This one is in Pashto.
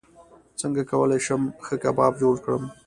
څنګه کولی شم ښه کباب جوړ کړم